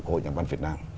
hội nhà văn việt nam